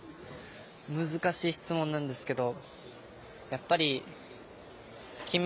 難しい質問なんですけど。